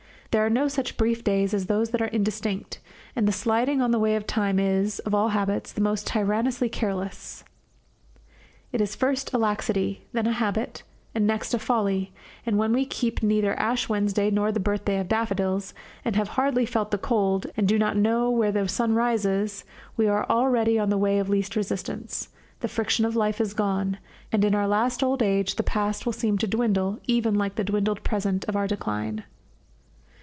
There are no such brief days as those that are indistinct; and the sliding on the way of time is, of all habits, the most tyrannously careless. It is first a laxity, then a habit, and next a folly; and when we keep neither Ash Wednesday nor the birthday of daffodils, and have hardly felt the cold, and do not know where the sun rises, we are already on the way of least resistance, the friction of life is gone; and in our last old age the past will seem to dwindle even like the dwindled present of our decline.